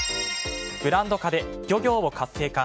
ブランド化で漁業を活性化。